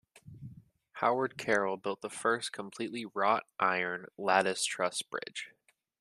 Howard Carroll built the first completely wrought-iron lattice truss bridge.